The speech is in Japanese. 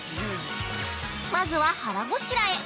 まずは、腹ごしらえ。